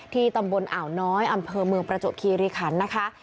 ตำบลอ่าวน้อยอำเภอเมืองประจวบคีรีคันนะคะ